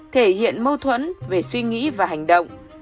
thể hiện mâu thuẫn về suy nghĩ và hành động